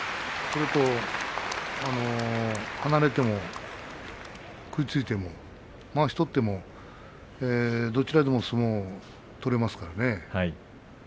それと、離れても食いついてもまわし取ってもどちらでも相撲を取れますからね。